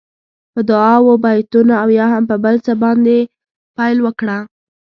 په دعاوو، بېتونو او یا هم په بل څه باندې پیل وکړه.